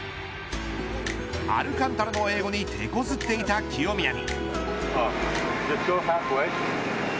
アルカンタラの英語にてこずっていた清宮に。